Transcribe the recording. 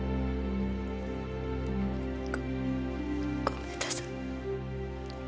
ごめんなさい。